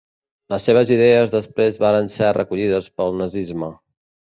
Les seves idees després varen ser recollides pel nazisme.